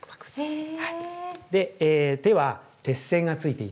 へえ。